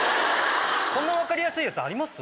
こんな分かりやすいやつあります？